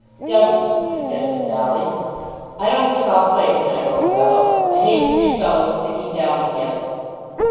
"Dummy," suggested Dolly. "I don't think I'll play to night, old fellow. I hate three fellows sticking down together."